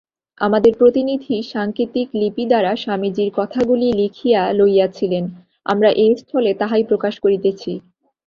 আমাদের প্রতিনিধি সাঙ্কেতিক-লিপি স্বারা স্বামীজীর কথাগুলি লিখিয়া লইয়াছিলেন, আমরা এস্থলে তাহাই প্রকাশ করিতেছি।